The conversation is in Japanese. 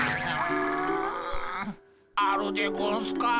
あるでゴンスか？